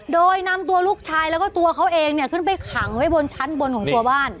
โดยนำตัวลูกชายแล้วก็ตัวเขาเองเนี่ยขึ้นไปขังไว้บนชั้นบนของตัวบ้าน